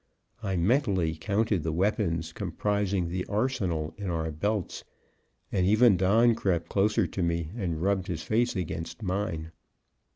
I mentally counted the weapons comprising the arsenal in our belts; and even Don crept closer to me and rubbed his face against mine.